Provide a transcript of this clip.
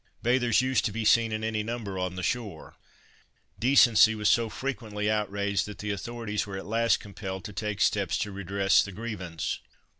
Bathers used to be seen in any number on the shore. Decency was so frequently outraged that the authorities were at last compelled to take steps to redress the grievance.